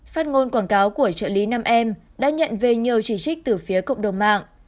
phát ngôn quảng cáo của trợ lý nam em đã nhận về nhiều chỉ trích từ phía cộng đồng mạng